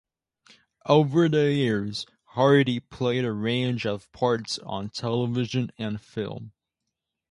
Over the years, Hardy played a range of parts on television and film.